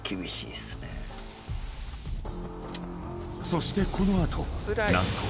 ［そしてこの後何と］